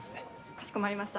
・かしこまりました。